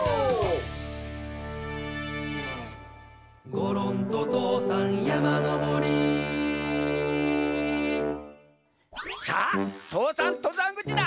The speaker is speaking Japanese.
「ごろんととうさんやまのぼり」さあ父山とざんぐちだ。